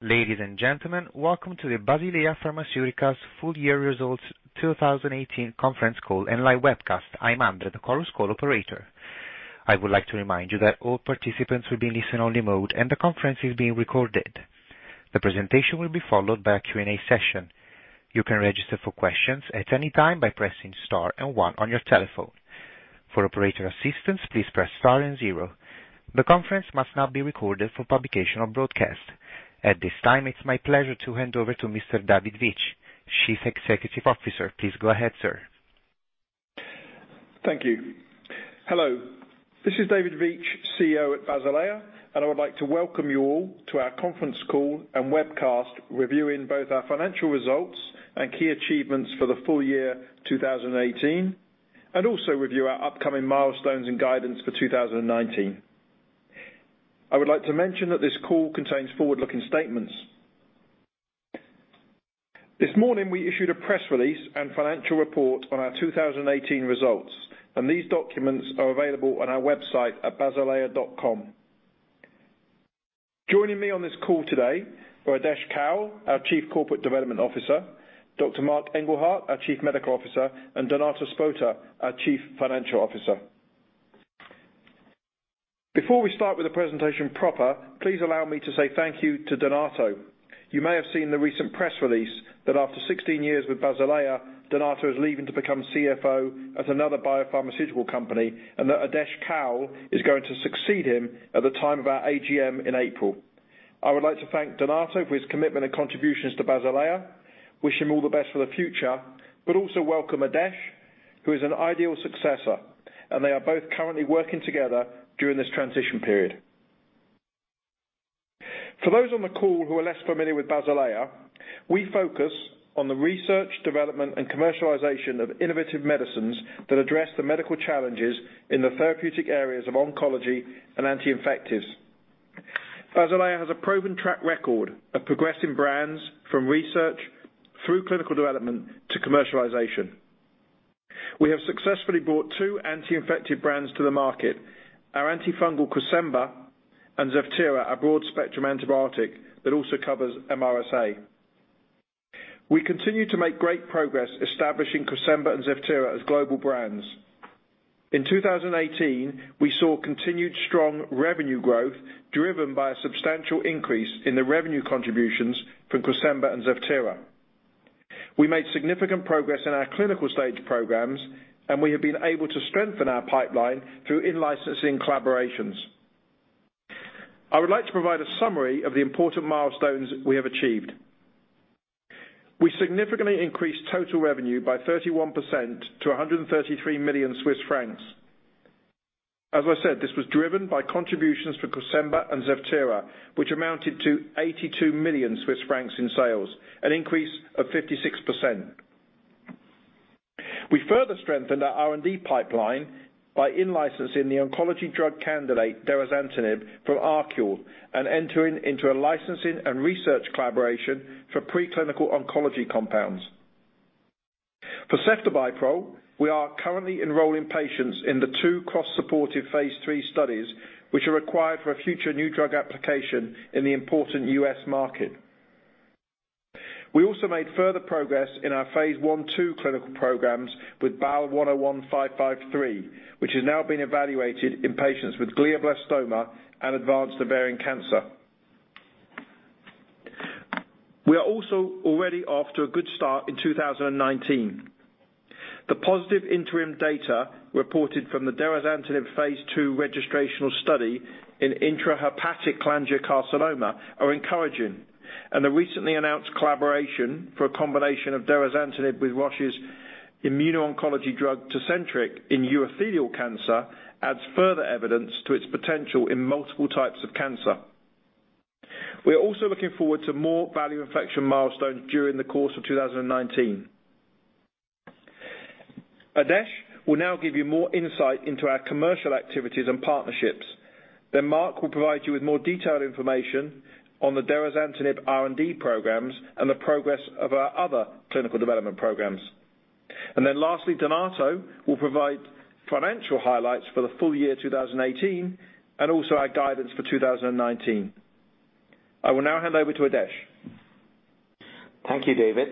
Ladies and gentlemen, welcome to the Basilea Pharmaceutica's full year results 2018 conference call and live webcast. I am Andre, the Chorus Call operator. I would like to remind you that all participants will be in listen-only mode and the conference is being recorded. The presentation will be followed by a Q&A session. You can register for questions at any time by pressing Star and One on your telephone. For operator assistance, please press Star and Zero. The conference must not be recorded for publication or broadcast. At this time, it is my pleasure to hand over to Mr. David Veitch, Chief Executive Officer. Please go ahead, sir. Thank you. Hello, this is David Veitch, CEO at Basilea, I would like to welcome you all to our conference call and webcast reviewing both our financial results and key achievements for the full year 2018, also review our upcoming milestones and guidance for 2019. I would like to mention that this call contains forward-looking statements. This morning, we issued a press release and financial report on our 2018 results, these documents are available on our website at basilea.com. Joining me on this call today are Adesh Kaul, our Chief Corporate Development Officer, Dr. Marc Engelhardt, our Chief Medical Officer, and Donato Spota, our Chief Financial Officer. Before we start with the presentation proper, please allow me to say thank you to Donato. You may have seen the recent press release that after 16 years with Basilea, Donato is leaving to become CFO at another biopharmaceutical company, that Adesh Kaul is going to succeed him at the time of our AGM in April. I would like to thank Donato for his commitment and contributions to Basilea, wish him all the best for the future, but also welcome Adesh, who is an ideal successor. They are both currently working together during this transition period. For those on the call who are less familiar with Basilea, we focus on the research, development, and commercialization of innovative medicines that address the medical challenges in the therapeutic areas of oncology and anti-infectives. Basilea has a proven track record of progressing brands from research through clinical development to commercialization. We have successfully brought two anti-infective brands to the market. Our antifungal Cresemba and Zevtera, a broad-spectrum antibiotic that also covers MRSA. We continue to make great progress establishing Cresemba and Zevtera as global brands. In 2018, we saw continued strong revenue growth driven by a substantial increase in the revenue contributions from Cresemba and Zevtera. We made significant progress in our clinical stage programs, we have been able to strengthen our pipeline through in-licensing collaborations. I would like to provide a summary of the important milestones we have achieved. We significantly increased total revenue by 31% to 133 million Swiss francs. As I said, this was driven by contributions for Cresemba and Zevtera, which amounted to 82 million Swiss francs in sales, an increase of 56%. We further strengthened our R&D pipeline by in-licensing the oncology drug candidate, derazantinib, from ArQule, entering into a licensing and research collaboration for preclinical oncology compounds. For ceftobiprole, we are currently enrolling patients in the two cross-supportive phase III studies, which are required for a future new drug application in the important U.S. market. We also made further progress in our phase I/II clinical programs with BAL-101553, which is now being evaluated in patients with glioblastoma and advanced ovarian cancer. We are also already off to a good start in 2019. The positive interim data reported from the derazantinib phase II study in intrahepatic cholangiocarcinoma are encouraging, and the recently announced collaboration for a combination of derazantinib with Roche's immuno-oncology drug, TECENTRIQ, in urothelial cancer adds further evidence to its potential in multiple types of cancer. We are also looking forward to more value inflection milestones during the course of 2019. Adesh will now give you more insight into our commercial activities and partnerships. Marc will provide you with more detailed information on the derazantinib R&D programs and the progress of our other clinical development programs. Lastly, Donato will provide financial highlights for the full year 2018, and also our guidance for 2019. I will now hand over to Adesh. Thank you, David.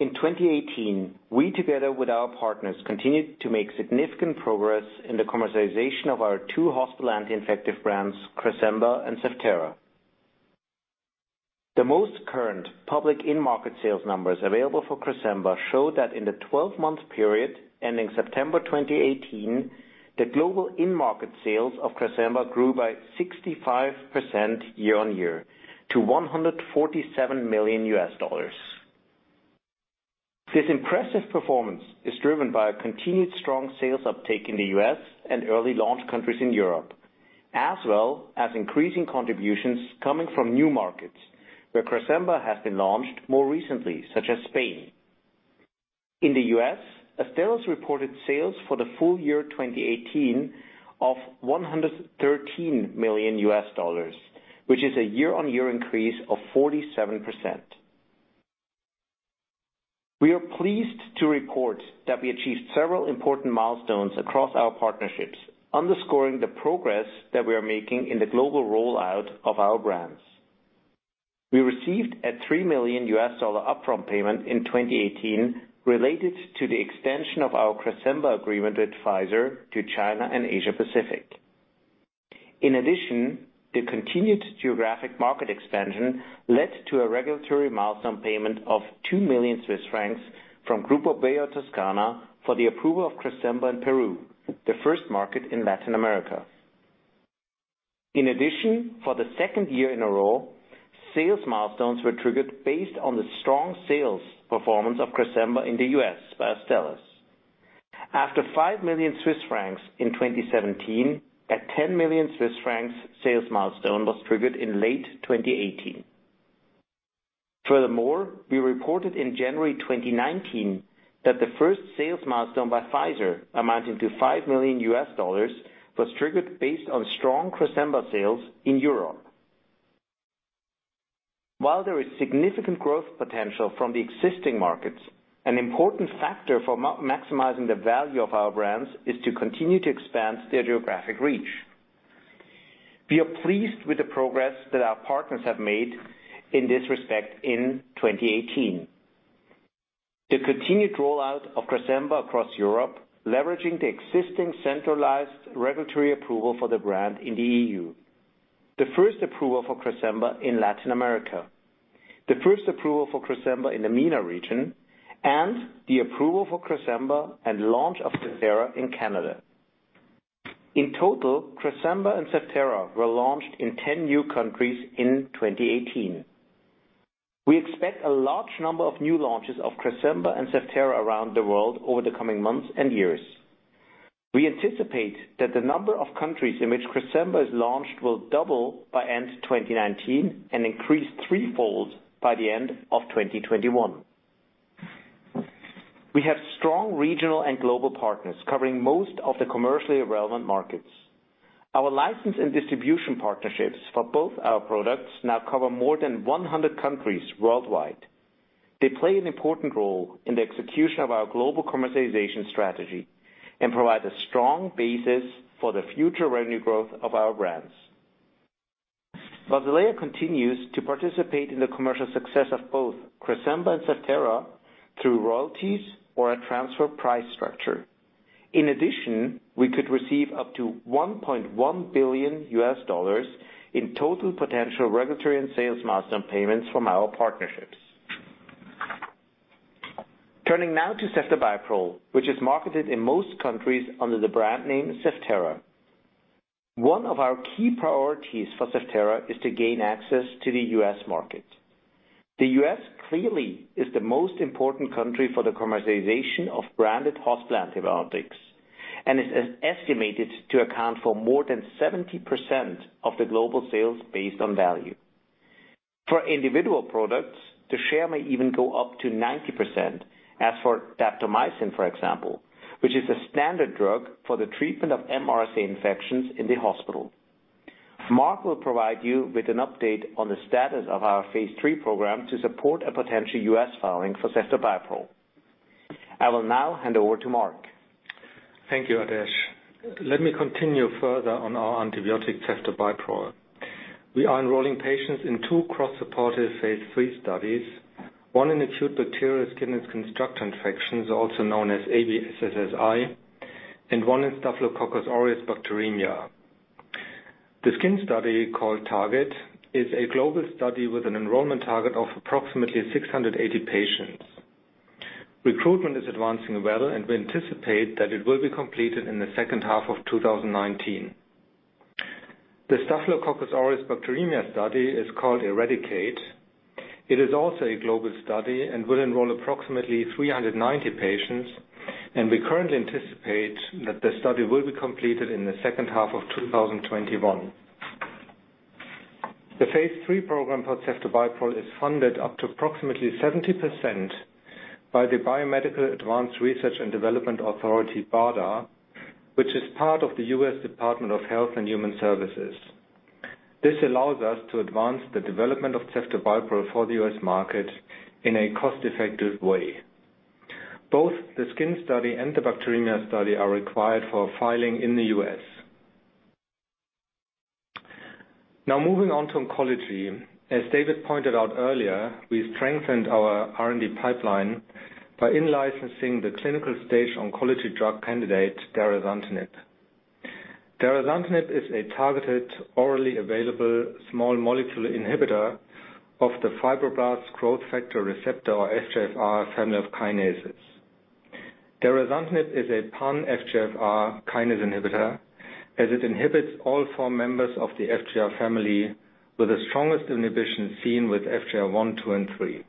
In 2018, we, together with our partners, continued to make significant progress in the commercialization of our two hospital anti-infective brands, Cresemba and Zevtera. The most current public in-market sales numbers available for Cresemba show that in the 12-month period ending September 2018, the global in-market sales of Cresemba grew by 65% year-on-year to $147 million. This impressive performance is driven by a continued strong sales uptake in the U.S. and early launch countries in Europe, as well as increasing contributions coming from new markets where Cresemba has been launched more recently, such as Spain. In the U.S., Astellas reported sales for the full year 2018 of $113 million, which is a year-on-year increase of 47%. We are pleased to report that we achieved several important milestones across our partnerships, underscoring the progress that we are making in the global rollout of our brands. We received a $3 million upfront payment in 2018 related to the extension of our Cresemba agreement with Pfizer to China and Asia Pacific. In addition, the continued geographic market expansion led to a regulatory milestone payment of 2 million Swiss francs from Grupo Biotoscana for the approval of Cresemba in Peru, the first market in Latin America. In addition, for the second year in a row, sales milestones were triggered based on the strong sales performance of Cresemba in the U.S. by Astellas. After 5 million Swiss francs in 2017, a 10 million Swiss francs sales milestone was triggered in late 2018. Furthermore, we reported in January 2019 that the first sales milestone by Pfizer amounting to $5 million was triggered based on strong Cresemba sales in Europe. While there is significant growth potential from the existing markets, an important factor for maximizing the value of our brands is to continue to expand their geographic reach. We are pleased with the progress that our partners have made in this respect in 2018. The continued rollout of Cresemba across Europe, leveraging the existing centralized regulatory approval for the brand in the EU, the first approval for Cresemba in Latin America, the first approval for Cresemba in the MENA region, and the approval for Cresemba and launch of Zevtera in Canada. In total, Cresemba and Zevtera were launched in 10 new countries in 2018. We expect a large number of new launches of Cresemba and Zevtera around the world over the coming months and years. We anticipate that the number of countries in which Cresemba is launched will double by end 2019 and increase threefold by the end of 2021. We have strong regional and global partners covering most of the commercially relevant markets. Our license and distribution partnerships for both our products now cover more than 100 countries worldwide. They play an important role in the execution of our global commercialization strategy and provide a strong basis for the future revenue growth of our brands. Basilea continues to participate in the commercial success of both Cresemba and Zevtera through royalties or a transfer price structure. In addition, we could receive up to $1.1 billion in total potential regulatory and sales milestone payments from our partnerships. Turning now to ceftobiprole, which is marketed in most countries under the brand name Zevtera. One of our key priorities for Zevtera is to gain access to the U.S. market. The U.S. clearly is the most important country for the commercialization of branded hospital antibiotics and is estimated to account for more than 70% of the global sales based on value. For individual products, the share may even go up to 90%, as for daptomycin, for example, which is a standard drug for the treatment of MRSA infections in the hospital. Marc will provide you with an update on the status of our phase III program to support a potential U.S. filing for ceftobiprole. I will now hand over to Marc. Thank you, Adesh. Let me continue further on our antibiotic ceftobiprole. We are enrolling patients in two cross-supportive phase III studies, one in acute bacterial skin and skin structure infections, also known as ABSSSI, and one in Staphylococcus aureus bacteremia. The skin study, called TARGET, is a global study with an enrollment target of approximately 680 patients. Recruitment is advancing well, and we anticipate that it will be completed in the second half of 2019. The Staphylococcus aureus bacteremia study is called ERADICATE. It is also a global study and will enroll approximately 390 patients, and we currently anticipate that the study will be completed in the second half of 2021. The phase III program for ceftobiprole is funded up to approximately 70% by the Biomedical Advanced Research and Development Authority, BARDA, which is part of the U.S. Department of Health and Human Services. This allows us to advance the development of ceftobiprole for the U.S. market in a cost-effective way. Both the skin study and the bacteremia study are required for filing in the U.S. Moving on to oncology. As David pointed out earlier, we've strengthened our R&D pipeline by in-licensing the clinical stage oncology drug candidate, derazantinib. derazantinib is a targeted orally available, small molecule inhibitor of the fibroblast growth factor receptor, or FGFR, family of kinases. derazantinib is a pan-FGFR kinase inhibitor, as it inhibits all 4 members of the FGFR family with the strongest inhibition seen with FGFR 1, 2, and 3.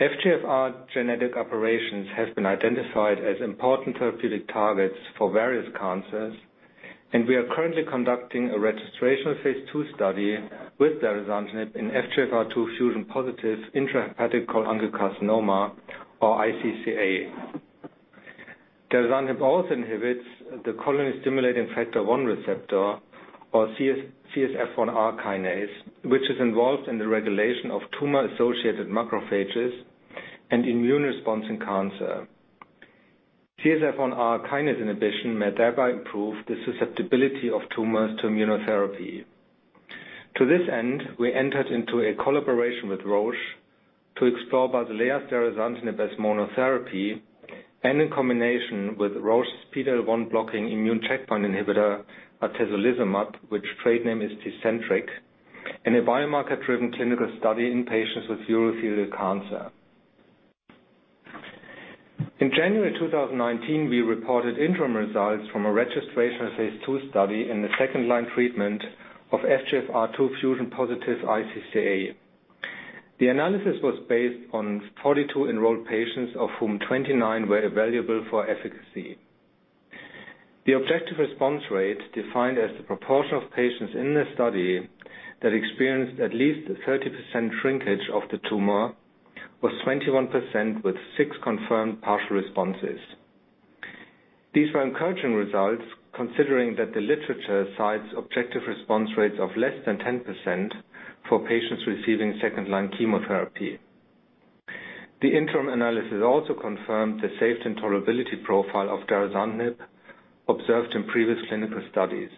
FGFR genetic operations have been identified as important therapeutic targets for various cancers, and we are currently conducting a registration phase II study with derazantinib in FGFR2 fusion-positive intrahepatic cholangiocarcinoma or iCCA. derazantinib also inhibits the colony-stimulating factor 1 receptor, or CSF1R kinase, which is involved in the regulation of tumor-associated macrophages and immune response in cancer. CSF1R kinase inhibition may thereby improve the susceptibility of tumors to immunotherapy. To this end, we entered into a collaboration with Roche to explore Basilea's derazantinib as monotherapy and in combination with Roche's PD-L1 blocking immune checkpoint inhibitor, atezolizumab, which trade name is TECENTRIQ, in a biomarker-driven clinical study in patients with urothelial cancer. In January 2019, we reported interim results from a registration phase II study in the second-line treatment of FGFR2 fusion-positive iCCA. The analysis was based on 42 enrolled patients, of whom 29 were evaluable for efficacy. The objective response rate, defined as the proportion of patients in the study that experienced at least a 30% shrinkage of the tumor, was 21% with 6 confirmed partial responses. These were encouraging results considering that the literature cites objective response rates of less than 10% for patients receiving second-line chemotherapy. The interim analysis also confirmed the safety and tolerability profile of derazantinib observed in previous clinical studies.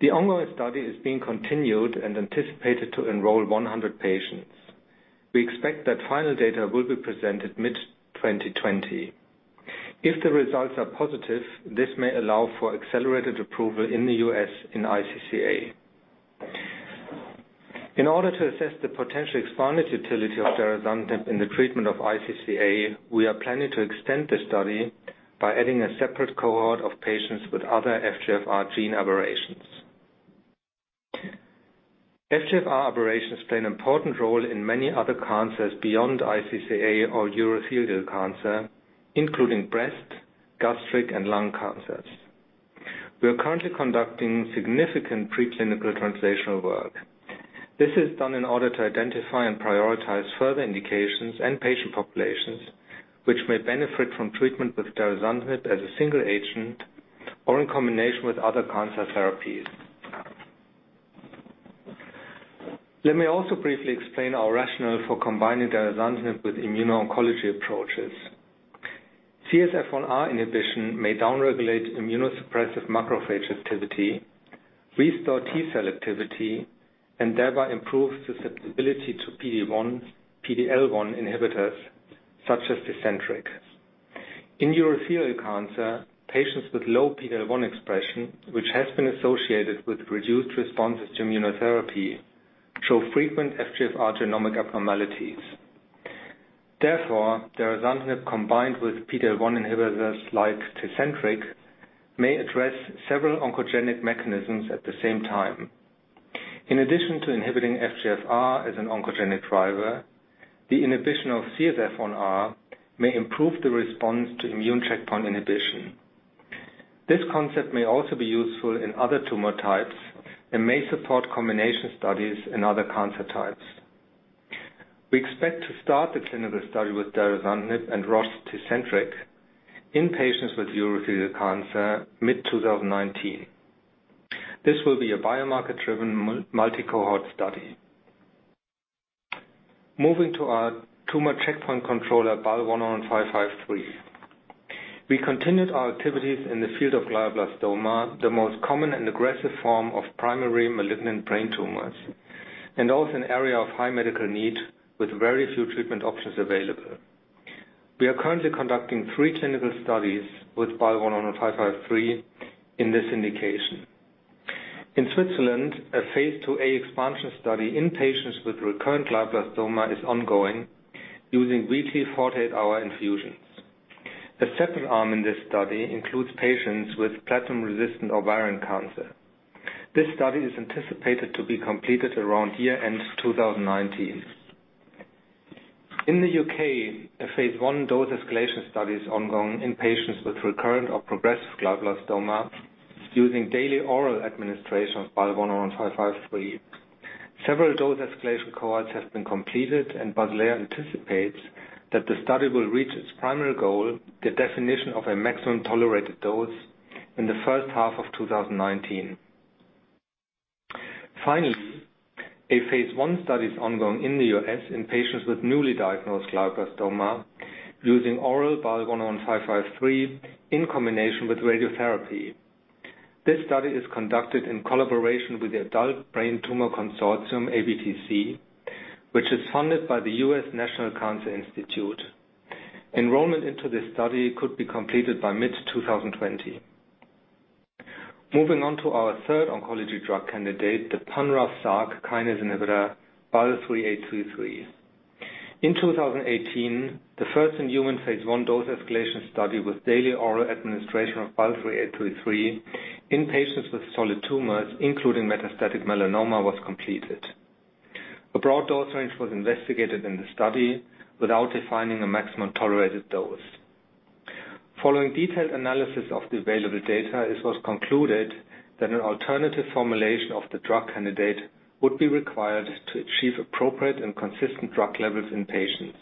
The ongoing study is being continued and anticipated to enroll 100 patients. We expect that final data will be presented mid-2020. If the results are positive, this may allow for accelerated approval in the U.S. in iCCA. In order to assess the potential expanded utility of derazantinib in the treatment of iCCA, we are planning to extend the study by adding a separate cohort of patients with other FGFR gene aberrations. FGFR aberrations play an important role in many other cancers beyond iCCA or urothelial cancer, including breast, gastric, and lung cancers. We are currently conducting significant preclinical translational work. This is done in order to identify and prioritize further indications and patient populations which may benefit from treatment with derazantinib as a single agent or in combination with other cancer therapies. Let me also briefly explain our rationale for combining derazantinib with immuno-oncology approaches. CSF1R inhibition may down-regulate immunosuppressive macrophage activity, restore T cell activity, and thereby improve susceptibility to PD-L1 inhibitors, such as TECENTRIQ. In urothelial cancer, patients with low PD-L1 expression, which has been associated with reduced responses to immunotherapy, show frequent FGFR genomic abnormalities. Therefore, derazantinib combined with PD-L1 inhibitors like TECENTRIQ may address several oncogenic mechanisms at the same time. In addition to inhibiting FGFR as an oncogenic driver, the inhibition of CSF1R may improve the response to immune checkpoint inhibition. This concept may also be useful in other tumor types and may support combination studies in other cancer types. We expect to start the clinical study with derazantinib and Roche TECENTRIQ in patients with urothelial cancer mid-2019. This will be a biomarker-driven multi-cohort study. Moving to our tumor checkpoint controller, BAL-101553. We continued our activities in the field of glioblastoma, the most common and aggressive form of primary malignant brain tumors, and also an area of high medical need with very few treatment options available. We are currently conducting three clinical studies with BAL-101553 in this indication. In Switzerland, a phase IIa expansion study in patients with recurrent glioblastoma is ongoing using weekly 48-hour infusions. A second arm in this study includes patients with platinum-resistant ovarian cancer. This study is anticipated to be completed around year-end 2019. In the U.K., a phase I dose-escalation study is ongoing in patients with recurrent or progressive glioblastoma using daily oral administration of BAL-101553. Several dose escalation cohorts have been completed, Basilea anticipates that the study will reach its primary goal, the definition of a maximum tolerated dose, in the first half of 2019. Finally, a phase I study is ongoing in the U.S. in patients with newly diagnosed glioblastoma using oral BAL-101553 in combination with radiotherapy. This study is conducted in collaboration with the Adult Brain Tumor Consortium, ABTC, which is funded by the U.S. National Cancer Institute. Enrollment into this study could be completed by mid-2020. Moving on to our third oncology drug candidate, the pan-RAS/RAF kinase inhibitor, BAL-3833. In 2018, the first-in-human phase I dose-escalation study with daily oral administration of BAL-3833 in patients with solid tumors, including metastatic melanoma, was completed. A broad dose range was investigated in the study without defining a maximum tolerated dose. Following detailed analysis of the available data, it was concluded That an alternative formulation of the drug candidate would be required to achieve appropriate and consistent drug levels in patients.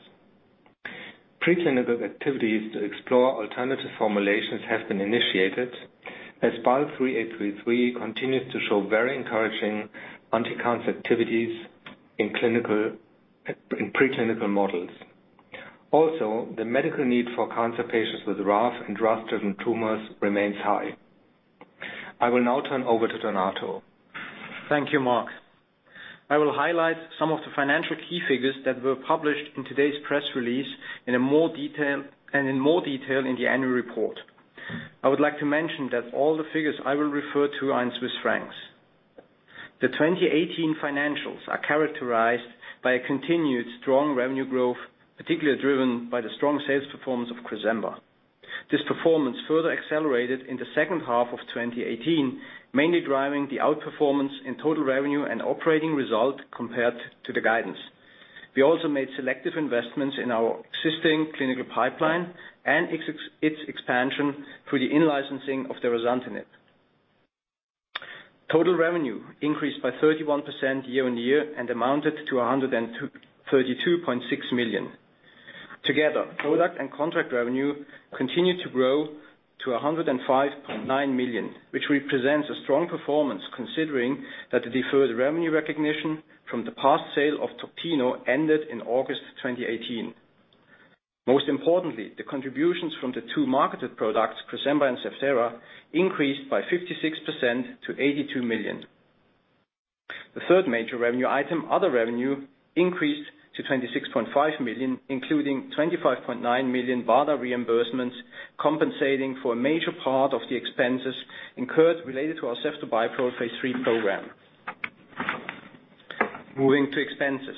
Preclinical activities to explore alternative formulations have been initiated as BAL3833 continues to show very encouraging anti-cancer activities in preclinical models. Also, the medical need for cancer patients with RAF and RAS-driven tumors remains high. I will now turn over to Donato. Thank you, Marc. I will highlight some of the financial key figures that were published in today's press release and in more detail in the annual report. I would like to mention that all the figures I will refer to are in Swiss francs. The 2018 financials are characterized by a continued strong revenue growth, particularly driven by the strong sales performance of Cresemba. This performance further accelerated in the second half of 2018, mainly driving the outperformance in total revenue and operating result compared to the guidance. We also made selective investments in our existing clinical pipeline and its expansion through the in-licensing of derazantinib. Total revenue increased by 31% year-on-year and amounted to 132.6 million. Together, product and contract revenue continued to grow to 105.9 million, which represents a strong performance considering that the deferred revenue recognition from the past sale of Toctino ended in August 2018. Most importantly, the contributions from the two marketed products, Cresemba and Zevtera, increased by 56% to 82 million. The third major revenue item, other revenue, increased to 26.5 million, including 25.9 million BARDA reimbursements, compensating for a major part of the expenses incurred related to our ceftobiprole phase III program. Moving to expenses.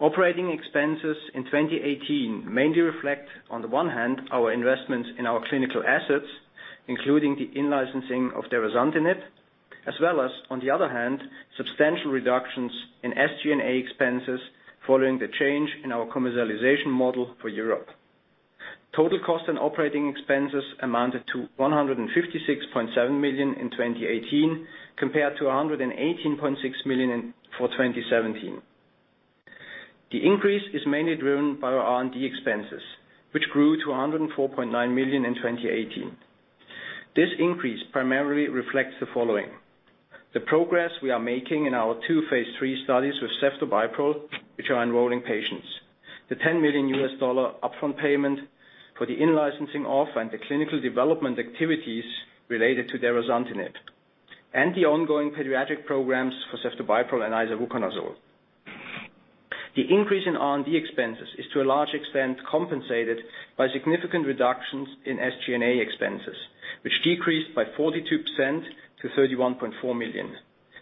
Operating expenses in 2018 mainly reflect, on the one hand, our investments in our clinical assets, including the in-licensing of darolutamid, as well as, on the other hand, substantial reductions in SG&A expenses following the change in our commercialization model for Europe. Total cost and operating expenses amounted to 156.7 million in 2018 compared to 118.6 million for 2017. The increase is mainly driven by our R&D expenses, which grew to 104.9 million in 2018. This increase primarily reflects the following. The progress we are making in our two phase III studies with ceftobiprole, which are enrolling patients. The $10 million U.S. upfront payment for the in-licensing of and the clinical development activities related to darolutamid. The ongoing pediatric programs for ceftobiprole and isavuconazole. The increase in R&D expenses is to a large extent compensated by significant reductions in SG&A expenses, which decreased by 42% to 31.4 million.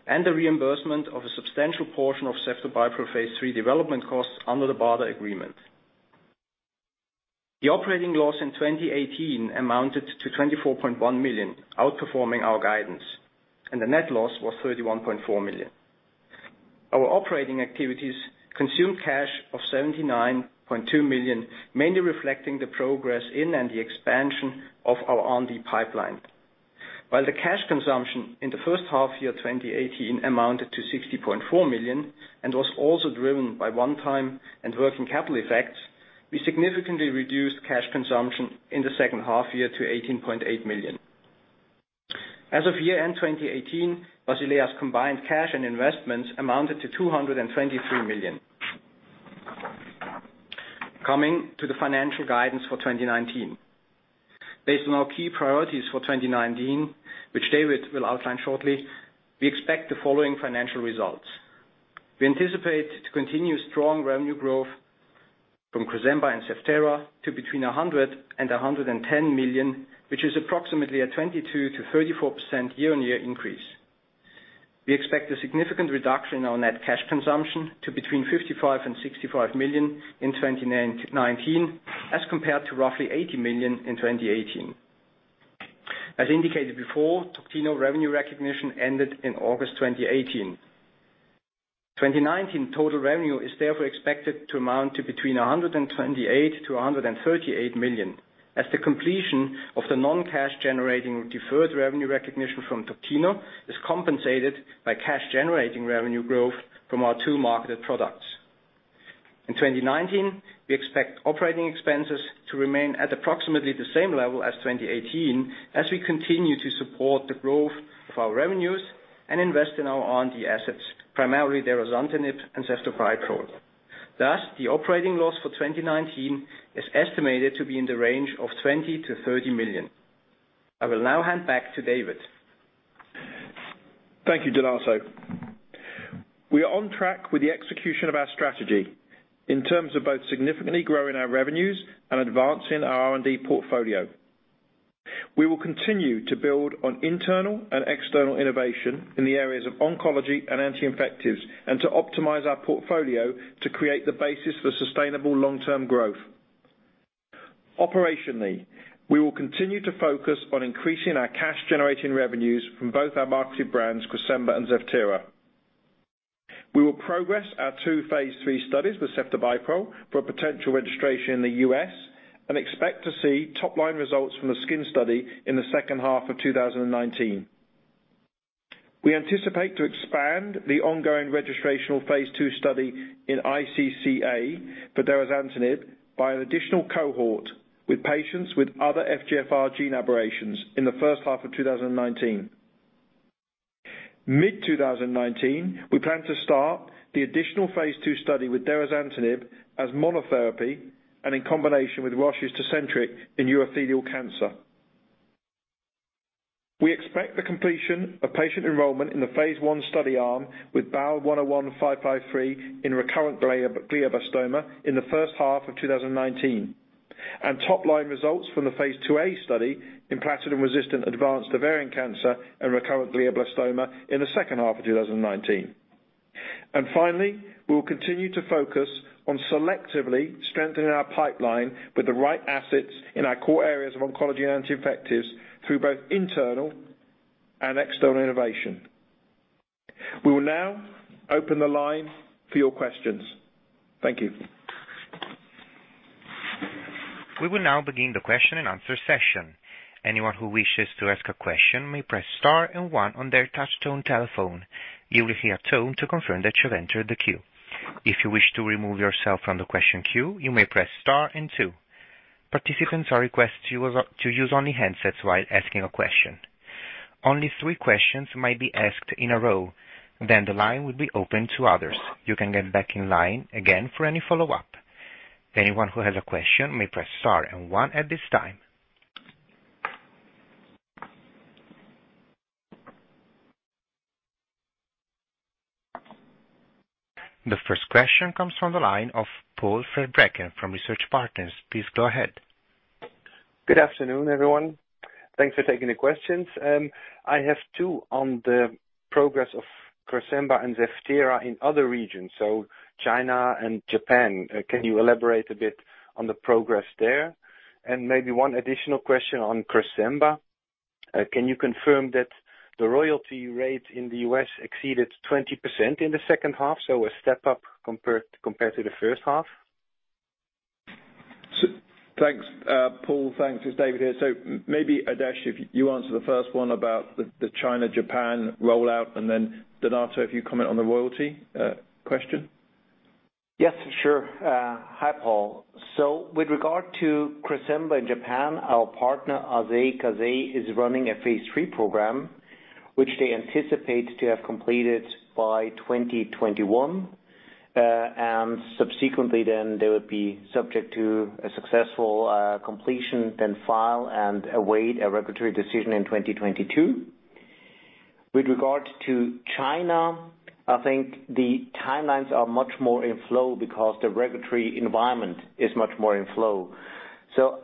The reimbursement of a substantial portion of ceftobiprole phase III development costs under the BARDA agreement. The operating loss in 2018 amounted to 24.1 million, outperforming our guidance, and the net loss was 31.4 million. Our operating activities consumed cash of 79.2 million, mainly reflecting the progress in and the expansion of our R&D pipeline. While the cash consumption in the first half year 2018 amounted to 60.4 million and was also driven by one-time and working capital effects, we significantly reduced cash consumption in the second half year to 18.8 million. As of year-end 2018, Basilea's combined cash and investments amounted to 223 million. Coming to the financial guidance for 2019. Based on our key priorities for 2019, which David will outline shortly, we expect the following financial results. We anticipate to continue strong revenue growth from Cresemba and Zevtera to between 100 million and 110 million, which is approximately a 22%-34% year-on-year increase. We expect a significant reduction in our net cash consumption to between 55 million and 65 million in 2019, as compared to roughly 80 million in 2018. As indicated before, Toctino revenue recognition ended in August 2018. 2019 total revenue is therefore expected to amount to between 128 million-138 million, as the completion of the non-cash generating deferred revenue recognition from Toctino is compensated by cash-generating revenue growth from our two marketed products. In 2019, we expect operating expenses to remain at approximately the same level as 2018 as we continue to support the growth of our revenues and invest in our R&D assets, primarily derazantinib and ceftobiprole. Thus, the operating loss for 2019 is estimated to be in the range of 20 million-30 million. I will now hand back to David. Thank you, Donato. We are on track with the execution of our strategy in terms of both significantly growing our revenues and advancing our R&D portfolio. We will continue to build on internal and external innovation in the areas of oncology and anti-infectives, to optimize our portfolio to create the basis for sustainable long-term growth. Operationally, we will continue to focus on increasing our cash-generating revenues from both our marketed brands, Cresemba and Zevtera. We will progress our two phase III studies with ceftobiprole for potential registration in the U.S. and expect to see top-line results from the skin study in the second half of 2019. We anticipate to expand the ongoing registrational phase II study in iCCA for derazantinib by an additional cohort with patients with other FGFR gene aberrations in the first half of 2019. Mid-2019, we plan to start the additional phase II study with derazantinib as monotherapy and in combination with Roche's TECENTRIQ in urothelial cancer. We expect the completion of patient enrollment in the phase I study arm with BAL101553 in recurrent glioblastoma in the first half of 2019, and top-line results from the phase II-A study in platinum-resistant advanced ovarian cancer and recurrent glioblastoma in the second half of 2019. Finally, we will continue to focus on selectively strengthening our pipeline with the right assets in our core areas of oncology and infectives through both internal and external innovation. We will now open the line for your questions. Thank you. We will now begin the question and answer session. Anyone who wishes to ask a question may press star and one on their touchtone telephone. You will hear a tone to confirm that you've entered the queue. If you wish to remove yourself from the question queue, you may press star and two. Participants are requested to use only handsets while asking a question. Only three questions might be asked in a row, then the line will be open to others. You can get back in line again for any follow-up. Anyone who has a question may press star and one at this time. The first question comes from the line of Paul Verbraeken from Research Partners. Please go ahead. Good afternoon, everyone. Thanks for taking the questions. I have two on the progress of Cresemba and Zevtera in other regions, China and Japan. Can you elaborate a bit on the progress there? Maybe one additional question on Cresemba. Can you confirm that the royalty rate in the U.S. exceeded 20% in the second half, a step up compared to the first half? Thanks, Paul. Thanks. It's David here. Maybe, Adesh, if you answer the first one about the China, Japan rollout, and then Donato, if you comment on the royalty question. Yes, sure. Hi, Paul. With regard to Cresemba in Japan, our partner, Eisai K.K. is running a phase III program, which they anticipate to have completed by 2021. Subsequently then, they would be subject to a successful completion, then file and await a regulatory decision in 2022. With regard to China, I think the timelines are much more in flow because the regulatory environment is much more in flow.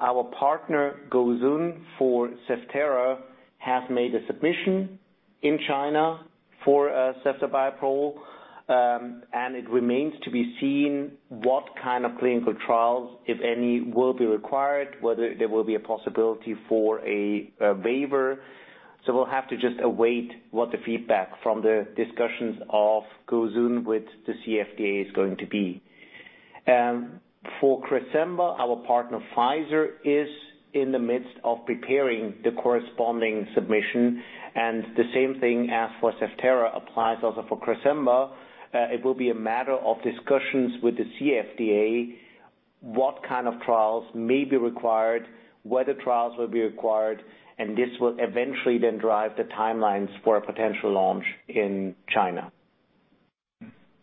Our partner, Gosun, for Zevtera, has made a submission in China for ceftobiprole, it remains to be seen what kind of clinical trials, if any, will be required, whether there will be a possibility for a waiver. We'll have to just await what the feedback from the discussions of Gosun with the CFDA is going to be. For Cresemba, our partner, Pfizer, is in the midst of preparing the corresponding submission, the same thing as for Zevtera applies also for Cresemba. It will be a matter of discussions with the CFDA what kind of trials may be required, whether trials will be required, this will eventually then drive the timelines for a potential launch in China.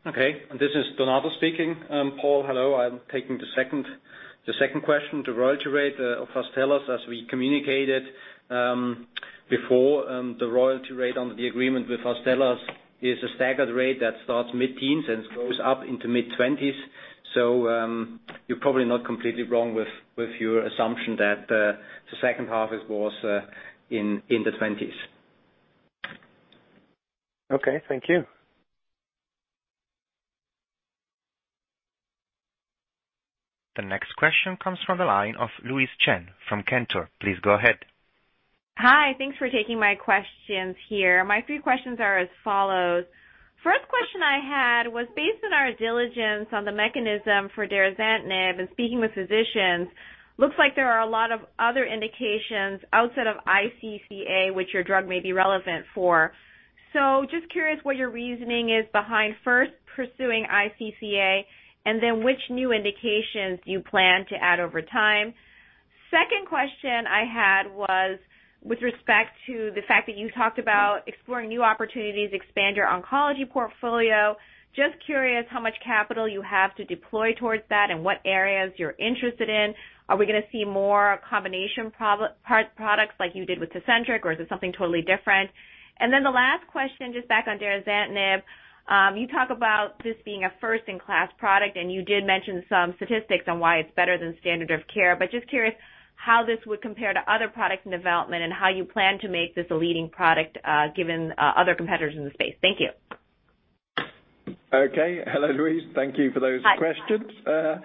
Okay. This is Donato speaking. Paul, hello. I'm taking the second question, the royalty rate of Astellas. As we communicated before, the royalty rate on the agreement with Astellas is a staggered rate that starts mid-teens and goes up into mid-twenties. You're probably not completely wrong with your assumption that the second half was in the twenties. Okay, thank you. The next question comes from the line of Louise Chen from Cantor. Please go ahead. Hi. Thanks for taking my questions here. My three questions are as follows. First question I had was based on our diligence on the mechanism for derazantinib and speaking with physicians, looks like there are a lot of other indications outside of iCCA which your drug may be relevant for. Just curious what your reasoning is behind first pursuing iCCA and then which new indications you plan to add over time. Second question I had was with respect to the fact that you talked about exploring new opportunities, expand your oncology portfolio. Just curious how much capital you have to deploy towards that and what areas you're interested in. Are we going to see more combination products like you did with TECENTRIQ, or is it something totally different? The last question, just back on derazantinib. You talk about this being a first-in-class product, and you did mention some statistics on why it's better than standard of care, but just curious how this would compare to other product development and how you plan to make this a leading product given other competitors in the space. Thank you. Okay. Hello, Louise. Thank you for those questions. Hi.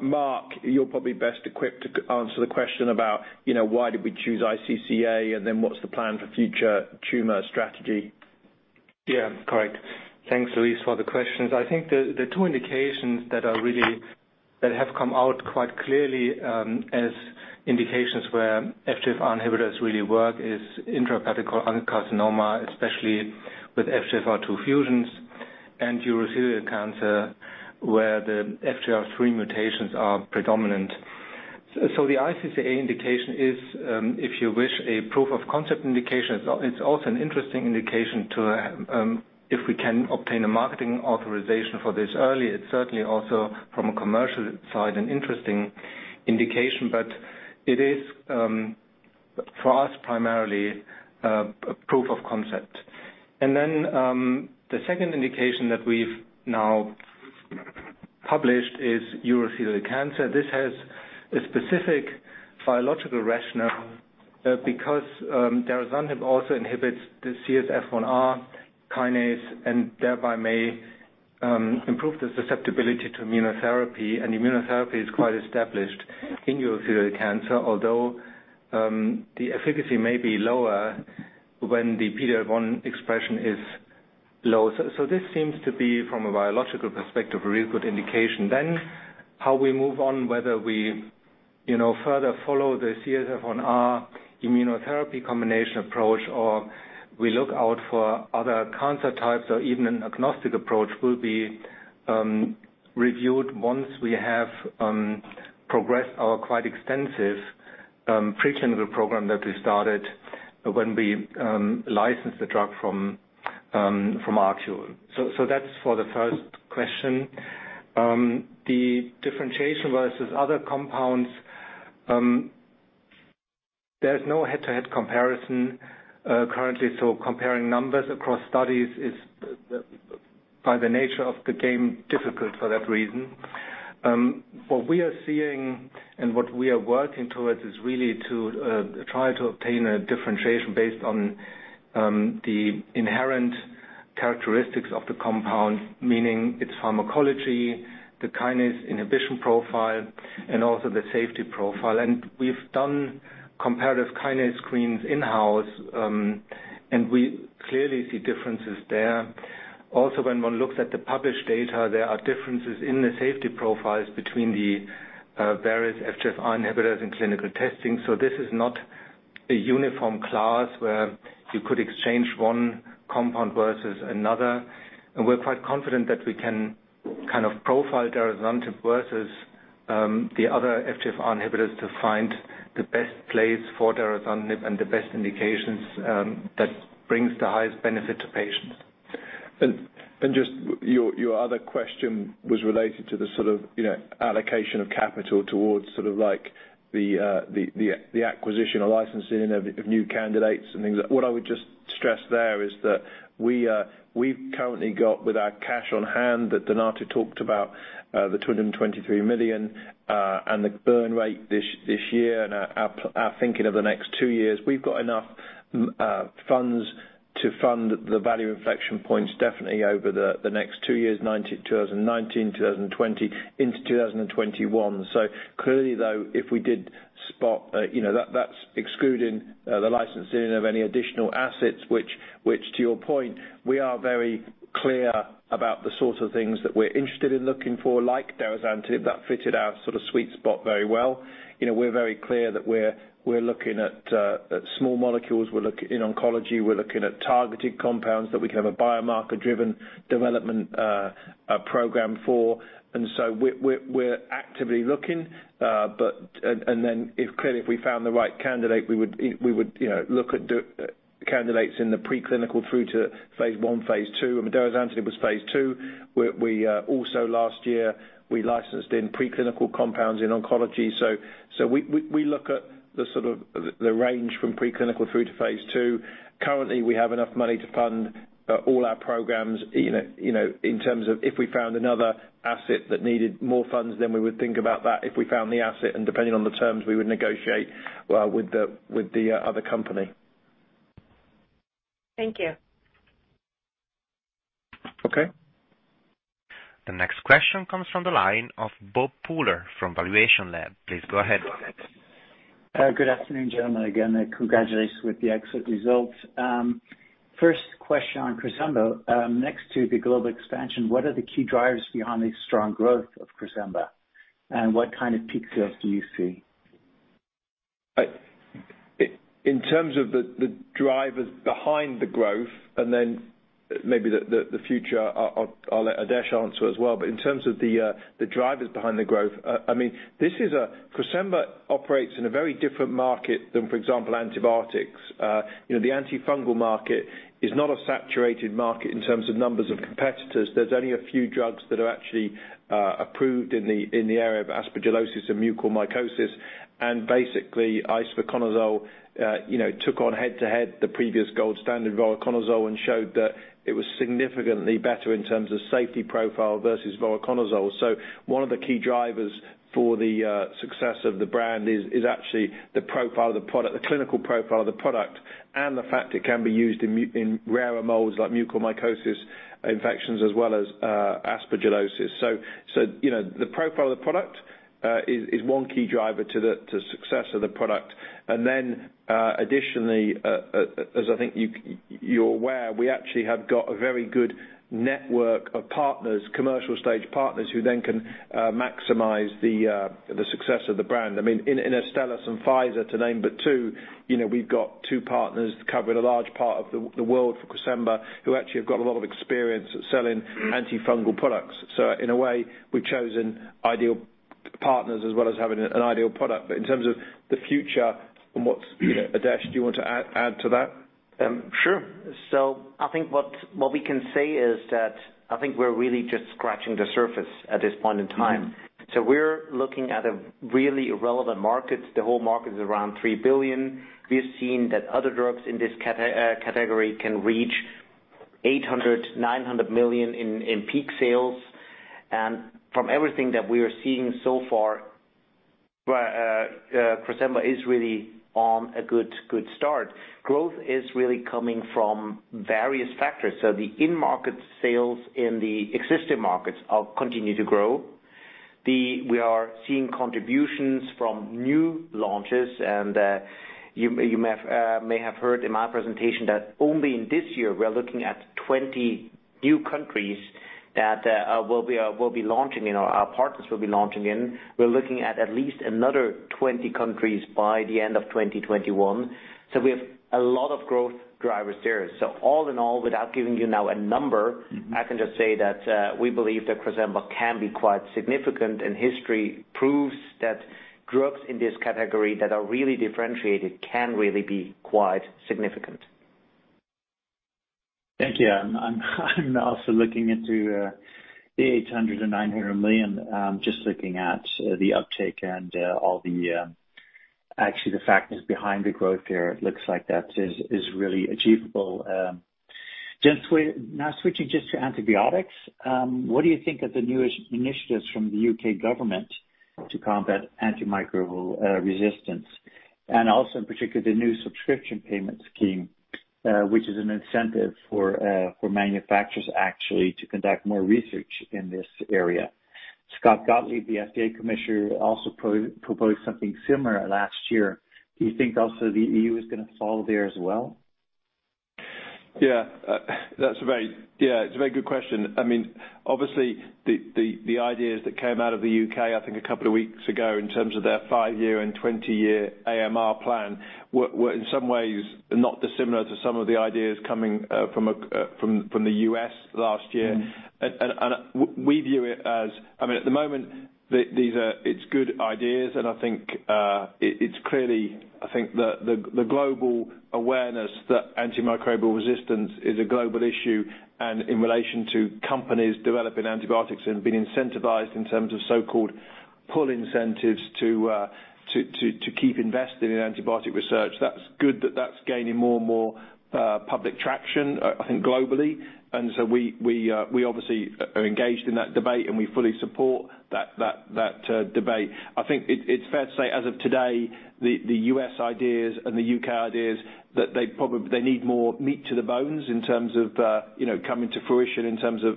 Mark, you're probably best equipped to answer the question about why did we choose iCCA, and then what's the plan for future tumor strategy? Correct. Thanks, Louise, for the questions. I think the two indications that have come out quite clearly as indications where FGFR inhibitors really work is intrahepatic carcinoma, especially with FGFR2 fusions and urothelial cancer, where the FGFR3 mutations are predominant. The iCCA indication is, if you wish, a proof of concept indication. It's also an interesting indication, if we can obtain a marketing authorization for this early, it's certainly also from a commercial side, an interesting indication. It is, for us, primarily a proof of concept. The second indication that we've now published is urothelial cancer. This has a specific biological rationale because derazantinib also inhibits the CSF1R kinase and thereby may improve the susceptibility to immunotherapy, and immunotherapy is quite established in urothelial cancer, although the efficacy may be lower when the PD-L1 expression is low. This seems to be, from a biological perspective, a real good indication. How we move on, whether we further follow the CSF1R immunotherapy combination approach, or we look out for other cancer types or even an agnostic approach will be reviewed once we have progressed our quite extensive preclinical program that we started when we licensed the drug from ArQule. That's for the first question. The differentiation versus other compounds, there's no head-to-head comparison currently, comparing numbers across studies is, by the nature of the game, difficult for that reason. What we are seeing and what we are working towards is really to try to obtain a differentiation based on the inherent characteristics of the compound, meaning its pharmacology, the kinase inhibition profile, and also the safety profile. We've done comparative kinase screens in-house, and we clearly see differences there. Also, when one looks at the published data, there are differences in the safety profiles between the various FGFR inhibitors in clinical testing. This is not a uniform class where you could exchange one compound versus another, and we're quite confident that we can kind of profile derazantinib versus the other FGFR inhibitors to find the best place for derazantinib and the best indications that brings the highest benefit to patients. Just your other question was related to the sort of allocation of capital towards the acquisition or licensing of new candidates and things like that. What I would just stress there is that we've currently got with our cash on hand that Donato talked about, the 223 million, and the burn rate this year and our thinking of the next two years, we've got enough funds to fund the value inflection points definitely over the next two years, 2019, 2020 into 2021. Clearly, though, that's excluding the licensing of any additional assets, which to your point, we are very clear about the sorts of things that we're interested in looking for, like derazantinib, that fitted our sort of sweet spot very well. We're very clear that we're looking at small molecules in oncology. We're looking at targeted compounds that we can have a biomarker-driven development program for. We're actively looking. If clearly, if we found the right candidate, we would look at the candidates in the preclinical through to phase I, phase II, and derazantinib was phase II. Last year, we licensed in preclinical compounds in oncology. We look at the sort of the range from preclinical through to phase II. Currently, we have enough money to fund all our programs, in terms of if we found another asset that needed more funds, we would think about that. If we found the asset and depending on the terms, we would negotiate with the other company. Thank you. Okay. The next question comes from the line of Bob Pooler from Valuation Lab. Please go ahead. Good afternoon, gentlemen. Again, congratulations with the exit results. First question on Cresemba. Next to the global expansion, what are the key drivers behind the strong growth of Cresemba, and what kind of peak sales do you see? In terms of the drivers behind the growth, then maybe the future, I'll let Adesh answer as well, but in terms of the drivers behind the growth, Cresemba operates in a very different market than, for example, antibiotics. The antifungal market is not a saturated market in terms of numbers of competitors. There's only a few drugs that are actually approved in the area of aspergillosis and mucormycosis, and basically, isavuconazole took on head-to-head the previous gold standard voriconazole and showed that it was significantly better in terms of safety profile versus voriconazole. One of the key drivers for the success of the brand is actually the clinical profile of the product, and the fact it can be used in rarer molds like mucormycosis infections as well as aspergillosis. The profile of the product is one key driver to the success of the product. Additionally, as I think you're aware, we actually have got a very good network of partners, commercial stage partners, who then can maximize the success of the brand. In Astellas and Pfizer, to name but two, we've got two partners covering a large part of the world for Cresemba, who actually have got a lot of experience at selling antifungal products. In a way, we've chosen ideal partners, as well as having an ideal product. In terms of the future and what's Adesh, do you want to add to that? Sure. I think what we can say is that I think we're really just scratching the surface at this point in time. We're looking at a really relevant market. The whole market is around 3 billion. We've seen that other drugs in this category can reach 800 million-900 million in peak sales. From everything that we are seeing so far, Cresemba is really on a good start. Growth is really coming from various factors. The in-market sales in the existing markets continue to grow. We are seeing contributions from new launches, and you may have heard in my presentation that only in this year, we are looking at 20 new countries that our partners will be launching in. We're looking at at least another 20 countries by the end of 2021. We have a lot of growth drivers there. All in all, without giving you now a number, I can just say that we believe that Cresemba can be quite significant. History proves that drugs in this category that are really differentiated can really be quite significant. Thank you. I'm also looking into the 800 million and 900 million, just looking at the uptake and all the, actually, the factors behind the growth here. It looks like that is really achievable. Gentlemen, now switching just to antibiotics. What do you think of the newest initiatives from the U.K. government to combat antimicrobial resistance, and also in particular, the new subscription payment scheme, which is an incentive for manufacturers actually to conduct more research in this area. Scott Gottlieb, the FDA Commissioner, also proposed something similar last year. Do you think also the EU is going to follow there as well? Yeah. It's a very good question. Obviously, the ideas that came out of the U.K., I think a couple of weeks ago, in terms of their five-year and 20-year AMR plan, were in some ways not dissimilar to some of the ideas coming from the U.S. last year. We view it as, at the moment, it's good ideas. I think it's clearly the global awareness that antimicrobial resistance is a global issue. In relation to companies developing antibiotics and being incentivized in terms of so-called pull incentives to keep investing in antibiotic research, that's good that that's gaining more and more public traction, I think, globally. We obviously are engaged in that debate. We fully support that debate. I think it's fair to say, as of today, the U.S. ideas and the U.K. ideas, that they need more meat to the bones in terms of coming to fruition, in terms of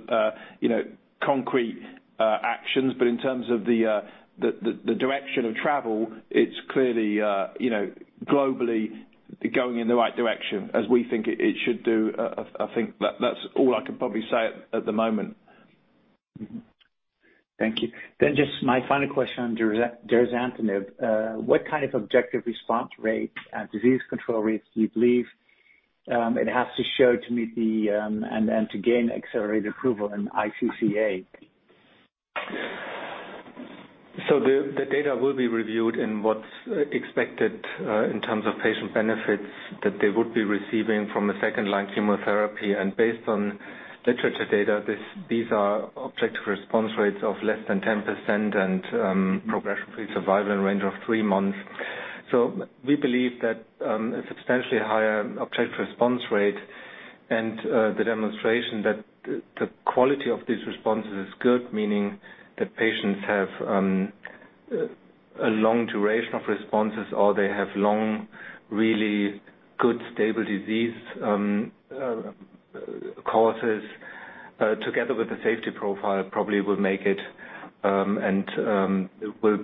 concrete actions. In terms of the direction of travel, it's clearly globally going in the right direction, as we think it should do. I think that's all I could probably say at the moment. Thank you. Just my final question on derazantinib. What kind of objective response rates and disease control rates do you believe it has to show to meet the, and to gain accelerated approval in iCCA? The data will be reviewed in what's expected in terms of patient benefits that they would be receiving from a second-line chemotherapy. Based on literature data, these are objective response rates of less than 10% and progression-free survival in range of three months. We believe that a substantially higher objective response rate and the demonstration that the quality of these responses is good, meaning that patients have a long duration of responses or they have long, really good, stable disease courses, together with the safety profile, probably will make it, and it will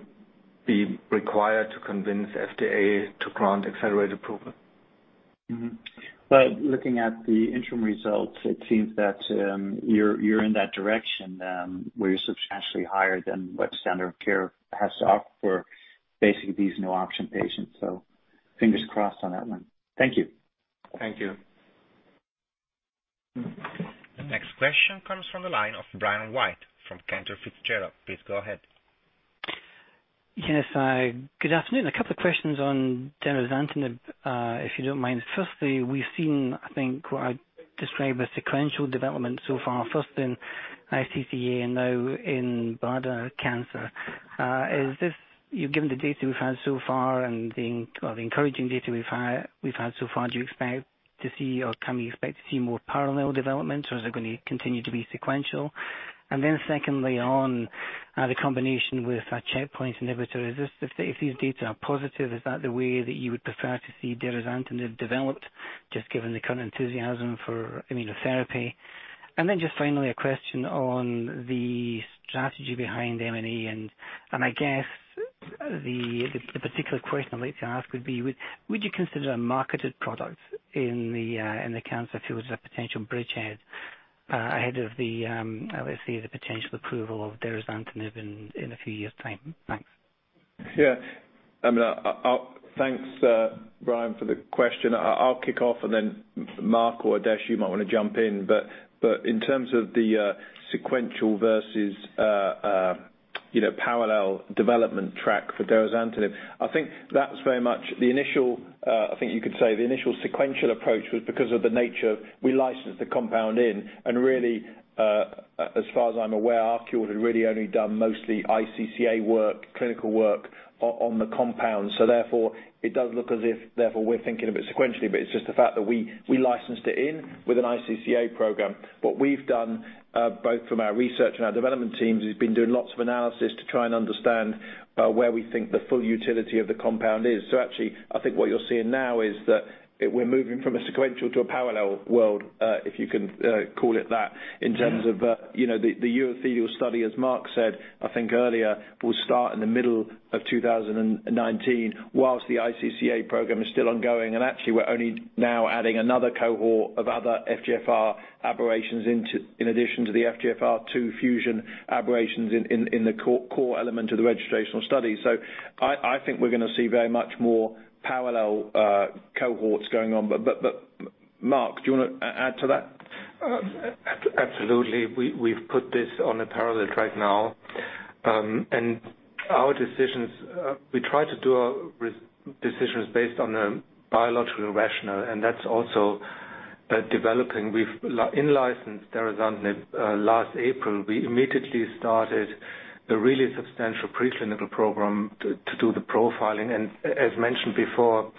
be required to convince FDA to grant accelerated approval. Looking at the interim results, it seems that you're in that direction where you're substantially higher than what standard of care has to offer for basically these no-option patients. Fingers crossed on that one. Thank you. Thank you. The next question comes from the line of Brian White from Cantor Fitzgerald. Please go ahead. Yes. Good afternoon. A couple of questions on derazantinib, if you don't mind. Firstly, we've seen, I think, what I'd describe as sequential development so far, first in iCCA and now in bladder cancer. Given the data we've had so far and the encouraging data we've had so far, do you expect to see or can we expect to see more parallel developments, or is it going to continue to be sequential? Secondly, on the combination with a checkpoint inhibitor, if these data are positive, is that the way that you would prefer to see derazantinib developed, just given the current enthusiasm for immunotherapy? Just finally, a question on the strategy behind M&A, and I guess, the particular question I'd like to ask would be, would you consider a marketed product in the cancer field as a potential bridgehead ahead of the, let's say, the potential approval of derazantinib in a few years' time? Thanks. Yeah. Thanks, Brian, for the question. I'll kick off, and then Mark or Adesh, you might want to jump in. In terms of the sequential versus parallel development track for derazantinib, I think that's very much the initial, I think you could say the initial sequential approach was because of the nature, we licensed the compound in, and really, as far as I'm aware, ArQule had really only done mostly iCCA work, clinical work on the compound. Therefore, it does look as if, therefore, we're thinking a bit sequentially, but it's just the fact that we licensed it in with an iCCA program. What we've done, both from our research and our development teams, has been doing lots of analysis to try and understand where we think the full utility of the compound is. Actually, I think what you're seeing now is that we're moving from a sequential to a parallel world, if you can call it that, in terms of the urothelial study, as Mark said, I think earlier, will start in the middle of 2019 whilst the iCCA program is still ongoing. Actually, we're only now adding another cohort of other FGFR aberrations in addition to the FGFR2 fusion aberrations in the core element of the registrational study. I think we're going to see very much more parallel cohorts going on. Mark, do you want to add to that? Absolutely. We've put this on a parallel track now. Our decisions, we try to do our decisions based on a biological rationale, and that's also developing. We've in-licensed derazantinib last April. We immediately started a really substantial preclinical program to do the profiling. As mentioned before,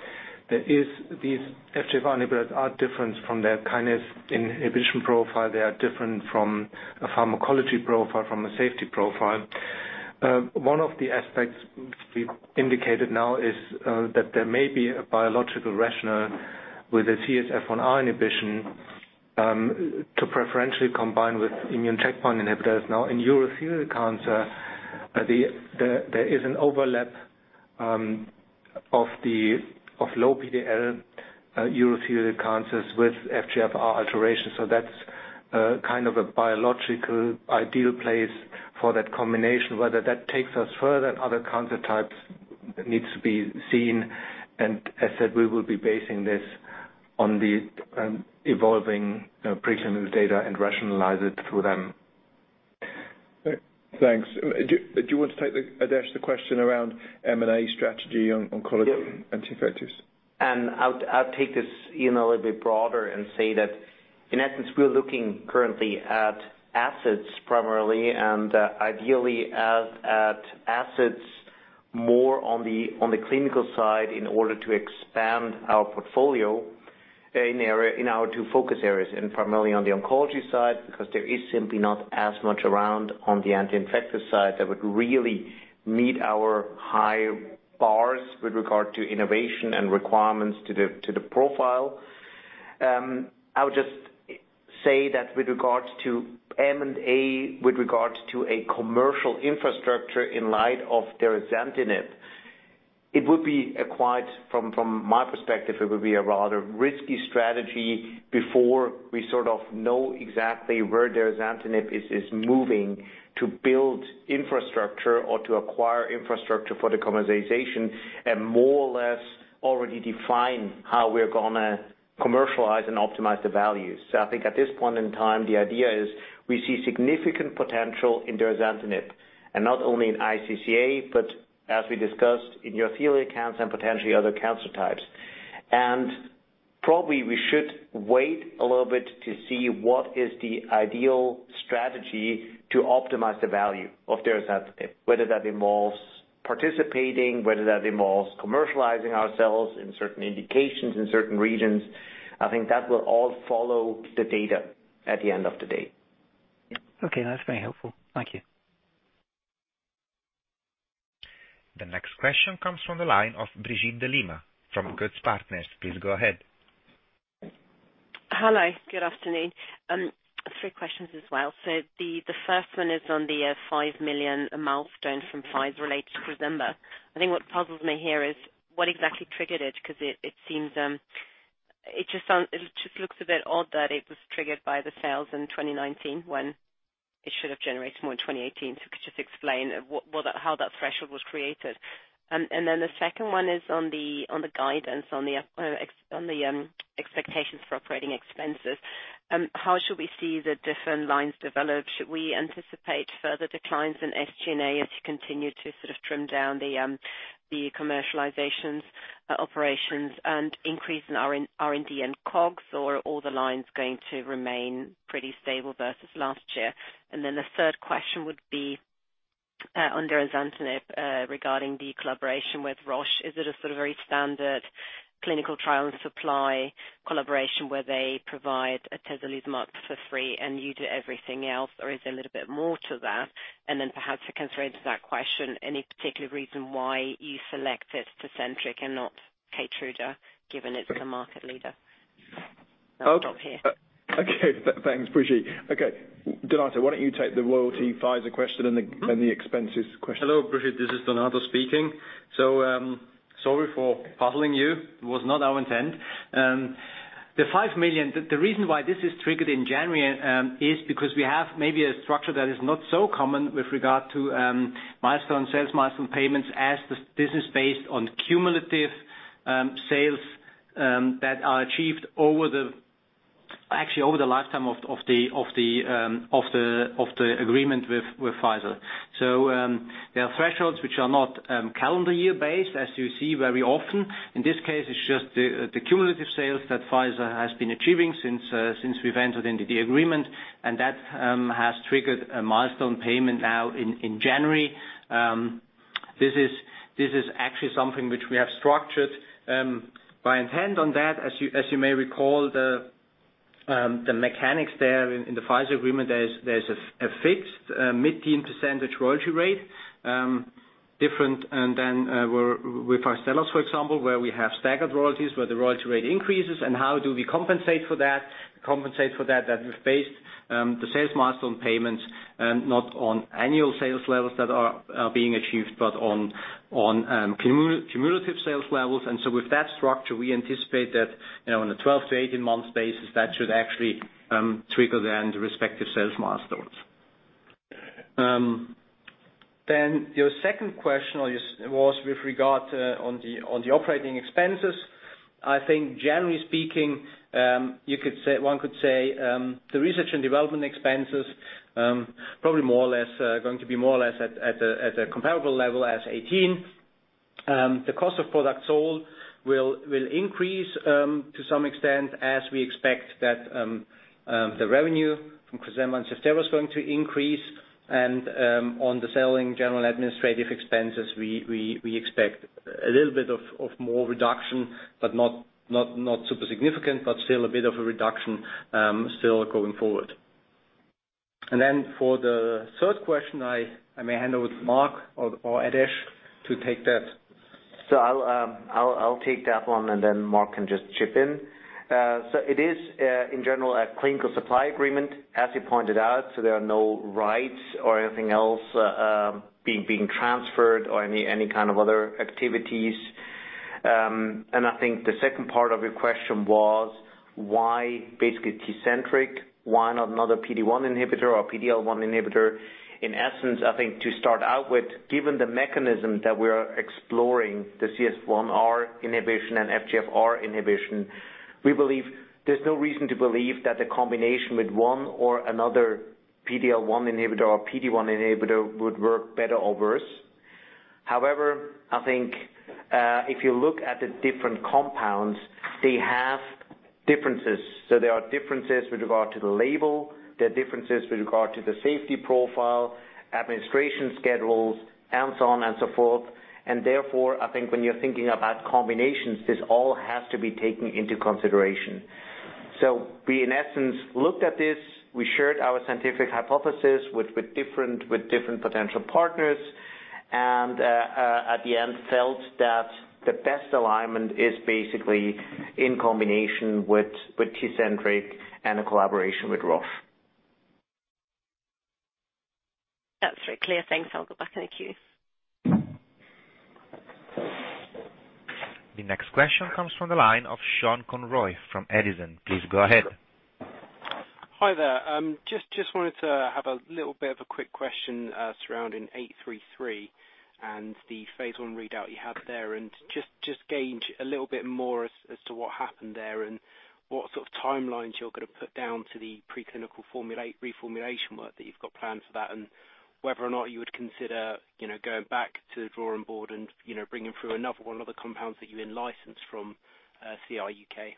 these FGFR inhibitors are different from their kinase inhibition profile. They are different from a pharmacology profile, from a safety profile. One of the aspects we've indicated now is that there may be a biological rationale with a CSF1R inhibition to preferentially combine with immune checkpoint inhibitors. In urothelial cancer, there is an overlap of low PD-L urothelial cancers with FGFR alterations. That's kind of a biological ideal place for that combination, whether that takes us further in other cancer types needs to be seen. As said, we will be basing this on the evolving preclinical data and rationalize it through them. Thanks. Do you want to take, Adesh, the question around M&A strategy on oncology and anti-infectives? I'll take this a little bit broader and say that in essence, we're looking currently at assets primarily, and ideally at assets more on the clinical side in order to expand our portfolio in our two focus areas, and primarily on the oncology side, because there is simply not as much around on the anti-infectives side that would really meet our high bars with regard to innovation and requirements to the profile. I would just say that with regards to M&A, with regards to a commercial infrastructure in light of derazantinib, it would be acquired, from my perspective, it would be a rather risky strategy before we sort of know exactly where derazantinib is moving to build infrastructure or to acquire infrastructure for the commercialization, and more or less already define how we're going to commercialize and optimize the value. I think at this point in time, the idea is we see significant potential in derazantinib, not only in iCCA, but as we discussed in urothelial cancer and potentially other cancer types. Probably we should wait a little bit to see what is the ideal strategy to optimize the value of derazantinib, whether that involves participating, whether that involves commercializing ourselves in certain indications in certain regions. I think that will all follow the data at the end of the day. That's very helpful. Thank you. The next question comes from the line of Brigitte de Lima from goetzpartners. Please go ahead. Hello, good afternoon. Three questions as well. The first one is on the 5 million milestone from Pfizer related to Cresemba. I think what puzzles me here is what exactly triggered it, because it just looks a bit odd that it was triggered by the sales in 2019 when it should have generated more in 2018. If you could just explain how that threshold was created. Then the second one is on the guidance on the expectations for operating expenses. How should we see the different lines develop? Should we anticipate further declines in SG&A as you continue to sort of trim down the commercialization operations and increase in R&D and COGS, or are all the lines going to remain pretty stable versus last year? The third question would be on derazantinib regarding the collaboration with Roche, is it a sort of very standard clinical trial and supply collaboration where they provide atezolizumab for free and you do everything else, or is there a little bit more to that? Perhaps to constrain to that question, any particular reason why you selected TECENTRIQ and not KEYTRUDA, given it's the market leader? I'll stop here. Okay, thanks, Brigitte. Okay, Donato, why don't you take the royalty Pfizer question and the expenses question. Hello, Brigitte. This is Donato speaking. Sorry for puzzling you. It was not our intent. The 5 million, the reason why this is triggered in January, is because we have maybe a structure that is not so common with regard to milestone sales, milestone payments as the business based on cumulative sales, that are achieved actually over the lifetime of the agreement with Pfizer. There are thresholds which are not calendar year based, as you see very often. In this case, it's just the cumulative sales that Pfizer has been achieving since we've entered into the agreement. That has triggered a milestone payment now in January. This is actually something which we have structured. By intent on that, as you may recall, the mechanics there in the Pfizer agreement, there's a fixed mid-teen % royalty rate, different than with our sellers, for example, where we have staggered royalties, where the royalty rate increases. How do we compensate for that? We compensate for that with based the sales milestone payments, not on annual sales levels that are being achieved, but on cumulative sales levels. With that structure, we anticipate that on a 12-18-month basis, that should actually trigger then the respective sales milestones. Your second question was with regard on the operating expenses. I think generally speaking, one could say, the research and development expenses, probably going to be more or less at a comparable level as 2018. The cost of products sold will increase, to some extent as we expect that the revenue from Cresemba and Zevtera is going to increase. On the selling general administrative expenses, we expect a little bit of more reduction, but not super significant, but still a bit of a reduction, still going forward. Then for the third question, I may hand over to Marc or Adesh to take that. I'll take that one, and then Marc can just chip in. It is, in general, a clinical supply agreement, as you pointed out. There are no rights or anything else being transferred or any kind of other activities. I think the second part of your question was why basically TECENTRIQ, why not another PD-1 inhibitor or a PD-L1 inhibitor? In essence, I think to start out with, given the mechanism that we're exploring, the CSF1R inhibition and FGFR inhibition, there's no reason to believe that the combination with one or another PD-L1 inhibitor or PD-1 inhibitor would work better or worse. However, I think, if you look at the different compounds, they have differences. There are differences with regard to the label, there are differences with regard to the safety profile, administration schedules, and so on and so forth. Therefore, I think when you're thinking about combinations, this all has to be taken into consideration. We, in essence, looked at this. We shared our scientific hypothesis with different potential partners, and at the end felt that the best alignment is basically in combination with TECENTRIQ and a collaboration with Roche. That's very clear. Thanks. I'll go back in the queue. The next question comes from the line of Sean Conroy from Edison. Please go ahead. Hi there. Just wanted to have a little bit of a quick question surrounding 3833 and the phase I readout you had there and just gauge a little bit more as to what happened there and what sort of timelines you're going to put down to the preclinical reformulation work that you've got planned for that, and whether or not you would consider going back to the drawing board and bringing through another one of the compounds that you in-licensed from, CRUK.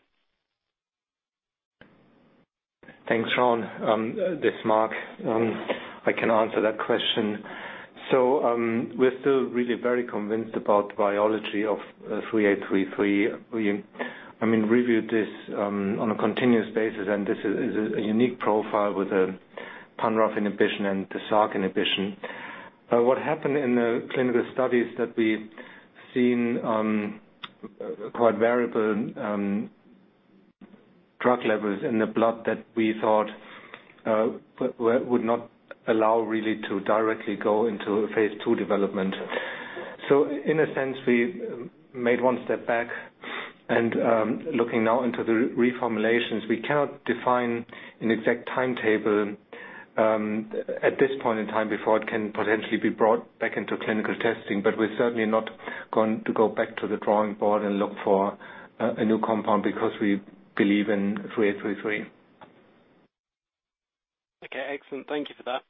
Thanks, Sean. This is Mark. I can answer that question. We're still really very convinced about the biology of 3833. We reviewed this on a continuous basis, and this is a unique profile with a pan-RAF inhibition and the SRC inhibition. What happened in the clinical studies that we've seen quite variable drug levels in the blood that we thought would not allow really to directly go into a phase II development. In a sense, we made one step back and looking now into the reformulations. We cannot define an exact timetable at this point in time before it can potentially be brought back into clinical testing. We're certainly not going to go back to the drawing board and look for a new compound because we believe in 3833. Okay, excellent. Thank you for that.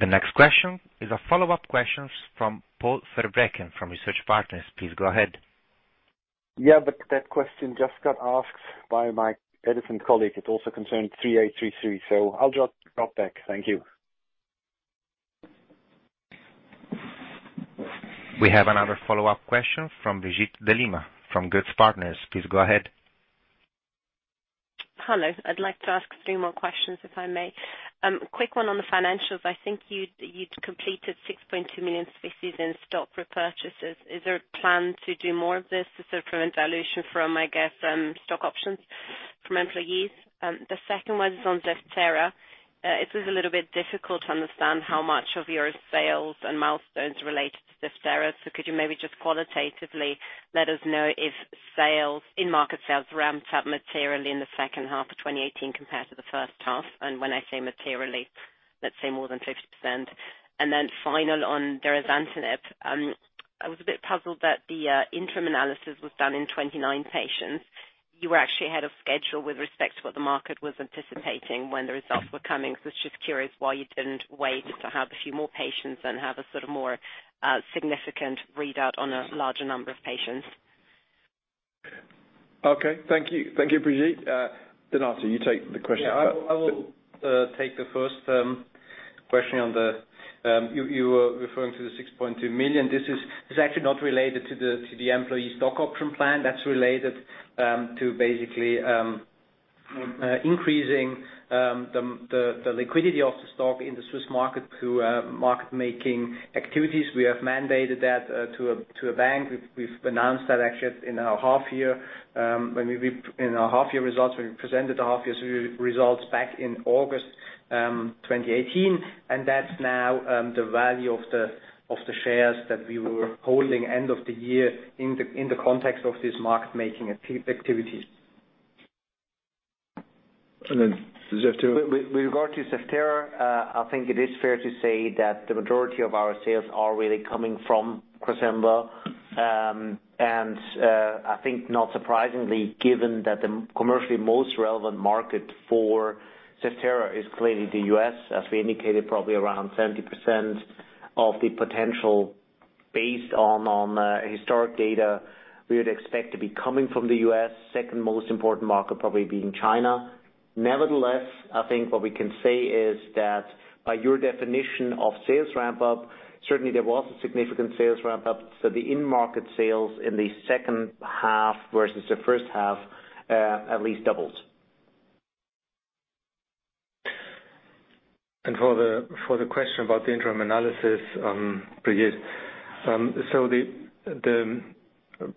The next question is a follow-up question from Paul Verbraeken from Research Partners. Please go ahead. Yeah, that question just got asked by my Edison colleague. It also concerned 3833, I'll drop back. Thank you. We have another follow-up question from Brigitte de Lima from Goed Partners. Please go ahead. Hello. I'd like to ask three more questions, if I may. Quick one on the financials. I think you'd completed 6.2 million in stock repurchases. Is there a plan to do more of this to sort of prevent dilution from, I guess, stock options from employees? The second one is on Zevtera. It was a little bit difficult to understand how much of your sales and milestones relate to Zevtera. Could you maybe just qualitatively let us know if in-market sales ramped up materially in the second half of 2018 compared to the first half? When I say materially, let's say more than 50%. Final on derazantinib. I was a bit puzzled that the interim analysis was done in 29 patients. You were actually ahead of schedule with respect to what the market was anticipating when the results were coming. I was just curious why you didn't wait to have a few more patients and have a more significant readout on a larger number of patients. Okay. Thank you. Thank you, Brigitte. Donato, you take the question. Yeah, I will take the first question. You were referring to the 6.2 million. This is actually not related to the employee stock option plan. That's related to basically increasing the liquidity of the stock in the Swiss market through market-making activities. We have mandated that to a bank. We've announced that actually in our half year results. We presented the half year results back in August 2018, and that's now the value of the shares that we were holding end of the year in the context of this market-making activities. The Zevtera. With regard to Zevtera, I think it is fair to say that the majority of our sales are really coming from Cresemba. I think not surprisingly, given that the commercially most relevant market for Zevtera is clearly the U.S. As we indicated, probably around 70% of the potential based on historic data we would expect to be coming from the U.S. Second most important market probably being China. Nevertheless, I think what we can say is that by your definition of sales ramp-up, certainly there was a significant sales ramp-up. The in-market sales in the second half versus the first half at least doubled. For the question about the interim analysis, Brigitte. The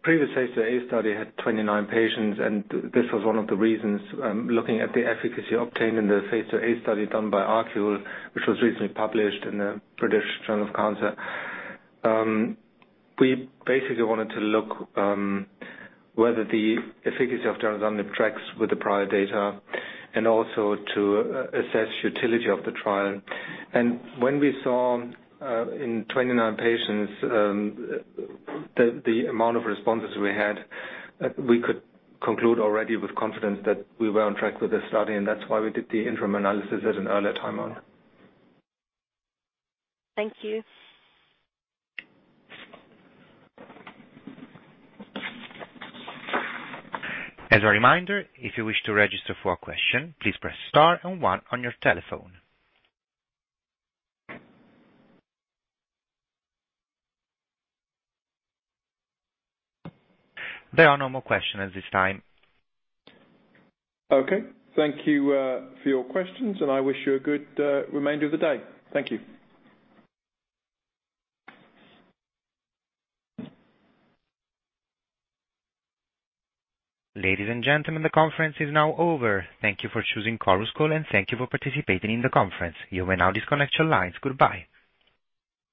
previous phase I-A study had 29 patients. This was one of the reasons looking at the efficacy obtained in the phase I-A study done by ArQule, which was recently published in the British Journal of Cancer. We basically wanted to look whether the efficacy of derazantinib tracks with the prior data and also to assess utility of the trial. When we saw in 29 patients the amount of responses we had, we could conclude already with confidence that we were on track with this study. That's why we did the interim analysis at an earlier time on. Thank you. As a reminder, if you wish to register for a question, please press star one on your telephone. There are no more questions at this time. Okay. Thank you for your questions, and I wish you a good remainder of the day. Thank you. Ladies and gentlemen, the conference is now over. Thank you for choosing Chorus Call, and thank you for participating in the conference. You may now disconnect your lines. Goodbye.